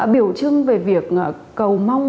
biểu trưng về việc cầu mong